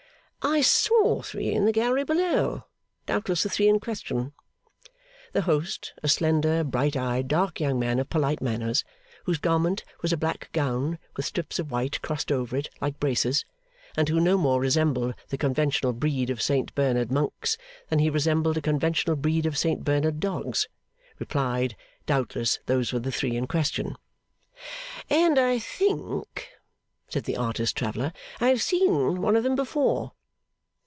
'I saw three in the gallery below. Doubtless the three in question.' The host, a slender, bright eyed, dark young man of polite manners, whose garment was a black gown with strips of white crossed over it like braces, and who no more resembled the conventional breed of Saint Bernard monks than he resembled the conventional breed of Saint Bernard dogs, replied, doubtless those were the three in question. 'And I think,' said the artist traveller, 'I have seen one of them before.